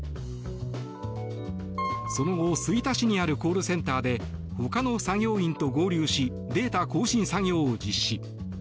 その後、吹田市にあるコールセンターで他の作業員と合流しデータ更新作業を実施。